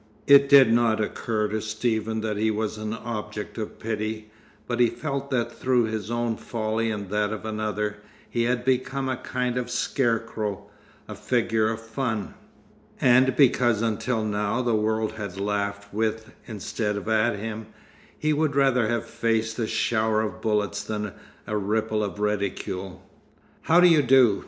It did not occur to Stephen that he was an object of pity, but he felt that through his own folly and that of another, he had become a kind of scarecrow, a figure of fun: and because until now the world had laughed with instead of at him, he would rather have faced a shower of bullets than a ripple of ridicule. "How do you do?"